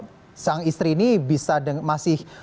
dan waktu itu si sang istri ini masih diberikan umur yang kecil